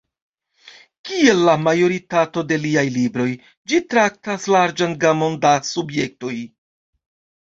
Kiel la majoritato de liaj libroj, ĝi traktas larĝan gamon da subjektoj.